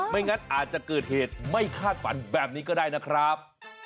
ไม่งั้นอาจจะเกิดเหตุไม่คาดฝันแบบนี้ก็ได้นะครับ